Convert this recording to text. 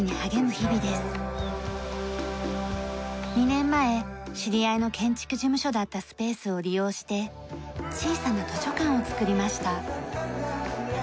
２年前知り合いの建築事務所だったスペースを利用して小さな図書館を作りました。